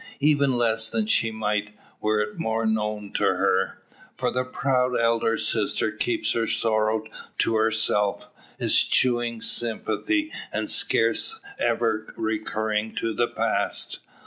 Even less than she might, were it more known to her. For the proud elder sister keeps her sorrow to herself, eschewing sympathy, and scarce ever recurring to the past.